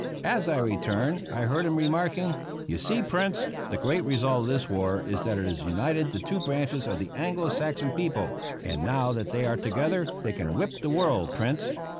As I returned I heard him remarking: "You see, Prince, the great result of this war is that it has united the two branches of the Anglo Saxon people; and now that they are together they can whip the world, Prince!